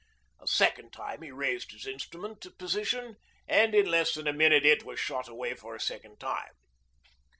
A second time he raised his instrument to position and in less than a minute it was shot away for a second time.